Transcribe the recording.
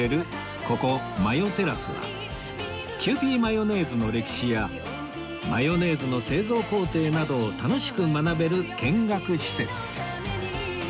ここマヨテラスはキユーピーマヨネーズの歴史やマヨネーズの製造工程などを楽しく学べる見学施設